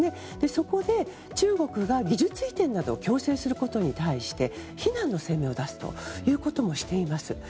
そこで中国が技術移転などを強制することに対して非難の声明を出すこともしています。